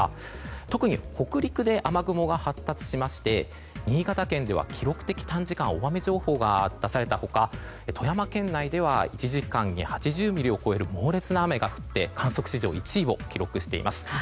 特に北陸で雨雲が発達しまして新潟県では記録的短時間大雨情報が出された他富山県内では１時間に８０ミリを超える猛烈な雨が降って観測史上１位を記録しています。